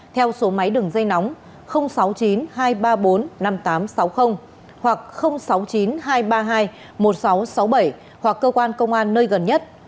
theo số máy đường dây nóng sáu mươi chín hai trăm ba mươi bốn năm nghìn tám trăm sáu mươi hoặc sáu mươi chín hai trăm ba mươi hai một nghìn sáu trăm sáu mươi bảy hoặc cơ quan công an nơi gần nhất